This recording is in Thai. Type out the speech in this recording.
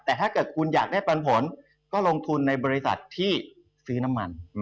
แต่ถ้าเกิดคุณอยากได้ปันผลก็ลงทุนในบริษัทที่ซื้อน้ำมัน